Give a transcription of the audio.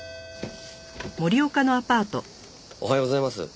おはようございます。